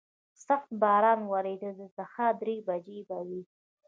سخت باران ورېده، د سهار درې بجې به وې.